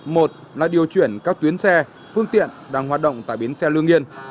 một là điều chuyển các tuyến xe phương tiện đang hoạt động tại bến xe lương nghiên